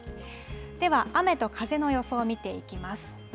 では雨と風の予想を見ていきます。